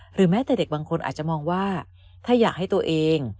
แม้แต่เด็กบางคนอาจจะมองว่าถ้าอยากให้ตัวเอง